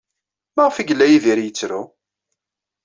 Maɣef ay yella Yidir yettru?